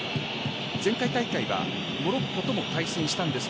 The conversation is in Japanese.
前回大会はモロッコとも対戦したんですが